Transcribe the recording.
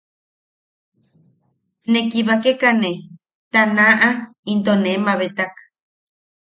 Ne kibakekane ta naʼa into nee mabetak.